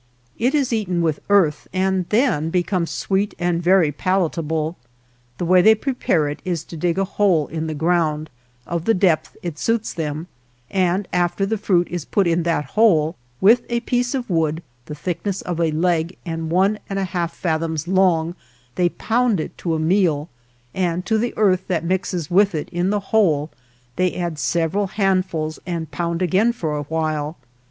It is eaten with earth and then becomes sweet and very palatable. The way they prepare it is to dig a hole in the ground, of the depth it suits them, and after the fruit is put in that hole, with a piece of wood, the thickness of a leg and one and a half fathoms long they pound it to a meal, and to the earth that mixes with it in the hole they add several handfuls and pound again for a while.